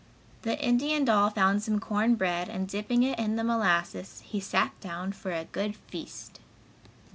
The Indian doll found some corn bread and dipping it in the molasses he sat down for a good feast.